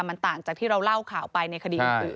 มันต่างจากที่เราเล่าข่าวไปในคดีอื่น